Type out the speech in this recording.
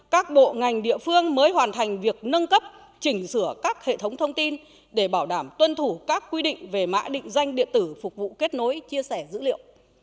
các bộ ngành địa phương mới hoàn thành việc nâng cấp chỉnh sửa các hệ thống thông tin để bảo đảm tuân thủ các quy định về mã định danh điện tử phục vụ kết nối chia sẻ dữ liệu